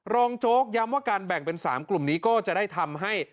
โจ๊กย้ำว่าการแบ่งเป็น๓กลุ่มนี้ก็จะได้ทำให้